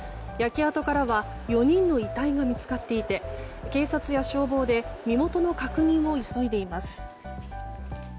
焼け跡からは４人の遺体が見つかっていて警察や消防で身元の確認を急いでいます。